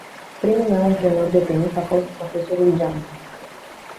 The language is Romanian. Primul meu antrenor de tenis a fost profesorul Geantă.